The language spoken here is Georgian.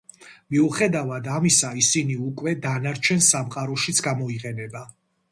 მიუხედავად ამისა, ისინი უკვე დანარჩენ სამყაროშიც გამოიყენება.